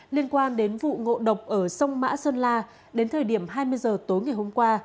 liên quan đến vụ ngộ độc ở sông mã sơn la đến thời điểm hai mươi giờ tối ngày hôm qua